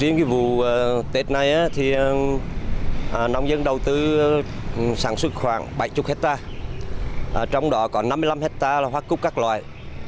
riêng cái vụ tết này thì nông dân đầu tư sản xuất khoảng bảy mươi hectare trong đó còn năm mươi năm hectare là hoa cúc các loại